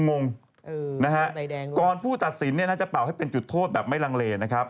เออมันได้แดงแล้วนะครับก่อนผู้ตัดสินน่าจะเป่าให้เป็นจุดโทษแบบไม่ลังเลนะครับ